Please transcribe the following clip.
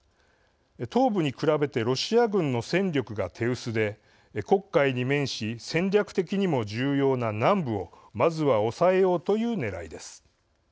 東部に比べてロシア軍の戦力が手薄で黒海に面し戦略的にも重要な南部をまずは、押さえようというねらいです。